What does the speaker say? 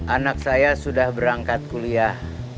anak saya sudah berangkat kuliah